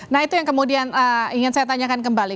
nah itu yang kemudian ingin saya tanyakan kembali